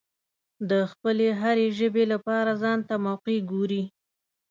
د خپلې هرې ژبې لپاره ځانته موقع ګوري.